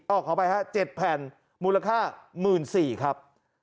ออกออกไป๗แผ่นมูลค่า๑๔๐๐๐บาทครับ